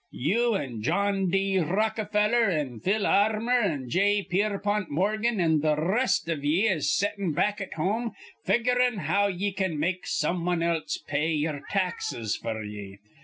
You an' Jawn D. Rockefeller an' Phil Ar rmour an' Jay Pierpont Morgan an' th' r rest iv ye is settin' back at home figurin' how ye can make some wan else pay ye'er taxes f'r ye.